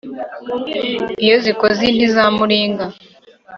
iyo zikoze inti za muringa